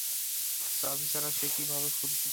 চাবি ছাড়া সে কীভাবে খুলবে?